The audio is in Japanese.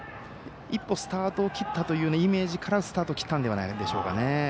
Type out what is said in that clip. １歩スタートを切ったというイメージからスタートを切ったのではないでしょうか。